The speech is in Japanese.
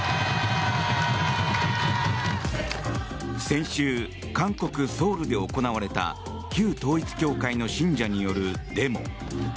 先週、韓国ソウルで行われた旧統一教会の信者によるデモ。